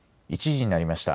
１時になりました。